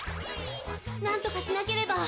なんとかしなければ！